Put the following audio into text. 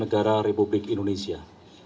negara republik indonesia